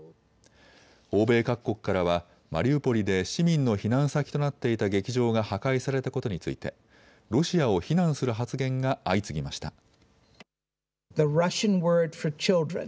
欧米各国からはマリウポリで市民の避難先となっていた劇場が破壊されたことについてロシアを非難する発言が相次ぎました。